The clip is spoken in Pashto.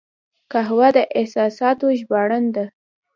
قهوه د احساساتو ژباړن ده